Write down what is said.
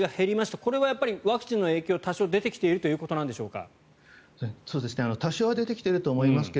これはやっぱりワクチンの影響多少出てきているということなんでしょうか。